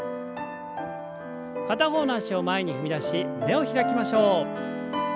片方の脚を前に踏み出し胸を開きましょう。